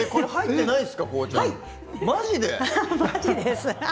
入ってないです。